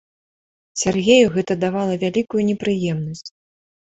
Сяргею гэта давала вялікую непрыемнасць.